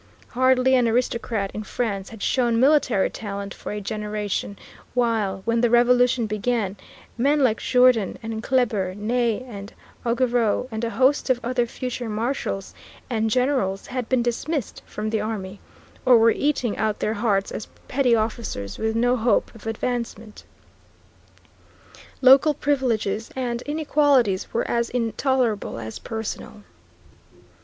Hardly an aristocrat in France had shown military talent for a generation, while, when the revolution began, men like Jourdan and Kleber, Ney and Augereau, and a host of other future marshals and generals had been dismissed from the army, or were eating out their hearts as petty officers with no hope of advancement. Local privileges and inequalities were as intolerable as personal.